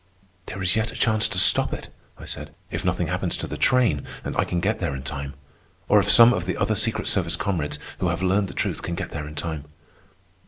"There is yet a chance to stop it," I said, "if nothing happens to the train and I can get there in time. Or if some of the other secret service comrades who have learned the truth can get there in time."